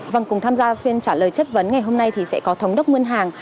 vâng cùng tham gia phiên trả lời chất vấn ngày hôm nay thì sẽ có thống đốc ngân hàng